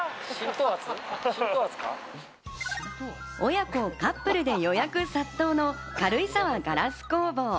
親子、カップルで予約殺到の軽井沢ガラス工房。